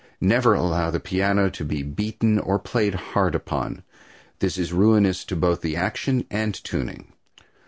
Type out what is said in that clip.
Never allow the piano to be beaten or played hard upon. This is ruinous to both the action and tuning.